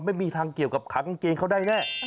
ไม่มีทางเกี่ยวกับขังกางเกงเขาได้แน่